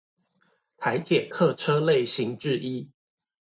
台鐵客車類型之一